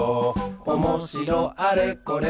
「おもしろあれこれ